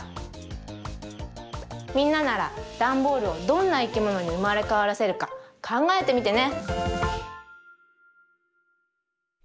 みんなならダンボールをどんないきものにうまれかわらせるかかんがえてみてね。